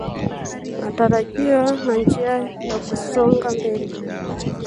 Matarajio na Njia ya Kusonga mbele